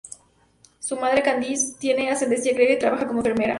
Su madre, Candice, tiene ascendencia griega y trabaja como enfermera.